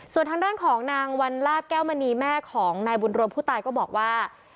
ส่วนทางด้านของนางวันลาบแก้วมณีแม่ของนายบุญรวมผู้ตายก็บอกว่า